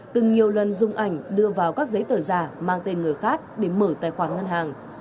từng nhiều lần dùng ảnh đưa vào các giấy tờ giả mang tên người khác để mở tài khoản ngân hàng